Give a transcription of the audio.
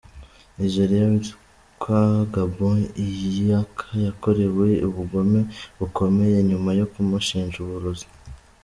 Nigeria witwa Gabon Iyiaka yakorewe ubugome bukomeye nyuma yo kumushinja uburozi.